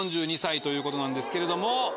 ということなんですけれども。